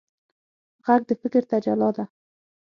غږ د فکر تجلی ده